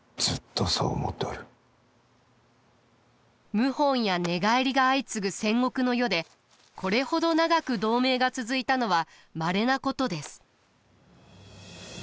謀反や寝返りが相次ぐ戦国の世でこれほど長く同盟が続いたのはまれなことです。